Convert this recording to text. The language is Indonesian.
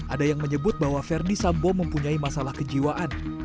ada yang menyebut bahwa verdi sambo mempunyai masalah kejiwaan